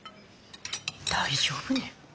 大丈夫ね？